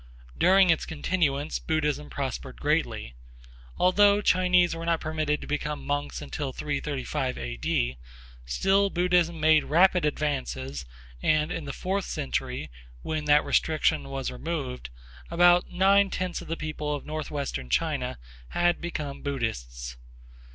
During its continuance Buddhism prospered greatly. Although Chinese were not permitted to become monks until 335 A. D., still Buddhism made rapid advances and in the fourth century, when that restriction was removed, about nine tenths of the people of northwestern China had become Buddhists.